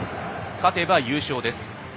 勝てば優勝です。